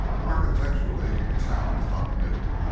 Architecturally the town was not new.